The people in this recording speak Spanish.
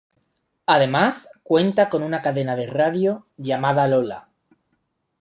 Además cuenta con una cadena de radio llamada "lola".